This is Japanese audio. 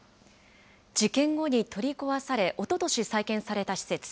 事件後に取り壊され、おととし再建された施設。